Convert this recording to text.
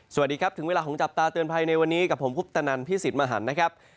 สวัสดีครับถึงเวลาของจับตาเตือนภัยในวันนี้กับผมคุปตนันพี่สิทธิ์มหันนะครับ